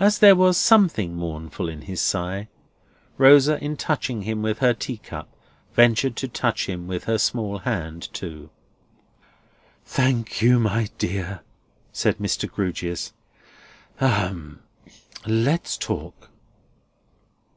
As there was something mournful in his sigh, Rosa, in touching him with her tea cup, ventured to touch him with her small hand too. "Thank you, my dear," said Mr. Grewgious. "Ahem! Let's talk!"